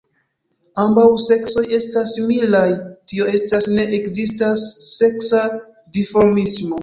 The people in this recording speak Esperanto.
Ambaŭ seksoj estas similaj, tio estas, ne ekzistas seksa dimorfismo.